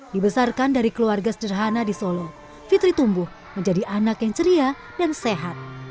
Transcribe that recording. dibesarkan dari keluarga sederhana di solo fitri tumbuh menjadi anak yang ceria dan sehat